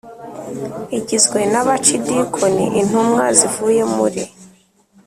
Igizwe n abacidikoni intumwa zivuye muri